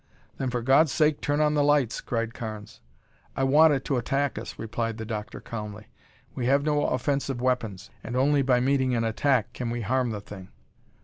"Then for God's sake turn on the lights!" cried Carnes. "I want it to attack us," replied the doctor calmly. "We have no offensive weapons and only by meeting an attack can we harm the thing."